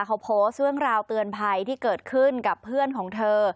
เขาโพสต์เรื่องราวเตือนภัยที่เกิดขึ้นกับเพื่อนของเธอ